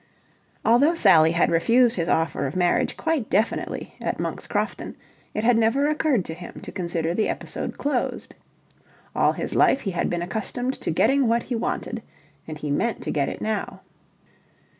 Although Sally had refused his offer of marriage quite definitely at Monk's Crofton, it had never occurred to him to consider the episode closed. All his life he had been accustomed to getting what he wanted, and he meant to get it now.